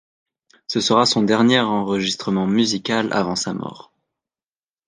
Ce sera son dernier enregistrement musical avant sa mort.